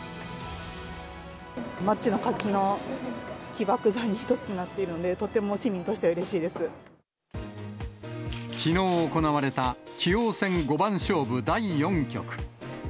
街の活気の起爆剤に一つなっているので、とても市民としてはきのう行われた、棋王戦五番勝負第４局。